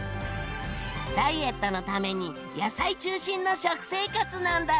ダイエットのために野菜中心の食生活なんだって。